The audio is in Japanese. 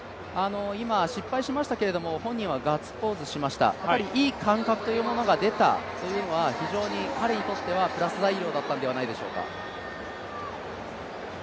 今、失敗しましたけど本人はガッツポーズしました、いい感覚というものが出たというのは、非常に彼にとってはプラス材料だったのではないでしょうか。